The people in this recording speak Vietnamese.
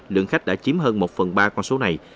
lượng khách đã chiếm hơn một phần ba con số này